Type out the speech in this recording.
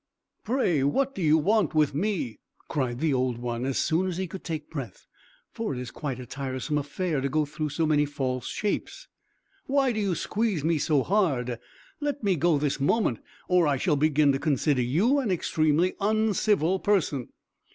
"Pray, what do you want with me?" cried the Old One, as soon as he could take breath; for it is quite a tiresome affair to go through so many false shapes. "Why do you squeeze me so hard? Let me go this moment, or I shall begin to consider you an extremely uncivil person!"